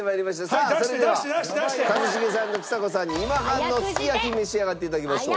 さあそれでは一茂さんとちさ子さんに今半のすき焼き召し上がって頂きましょう。